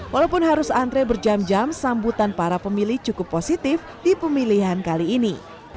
walaupun harus antre berjam jam sambutan para pemilih cukup positif di pemilihan kali ini